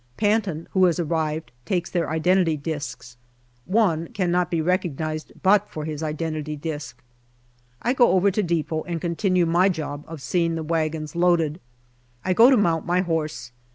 Panton, who has arrived, takes their identity discs. One cannot be recognized but for his identity disc. I go over to depot and continue my job of seeing the wagons loaded. I go to mount my horse.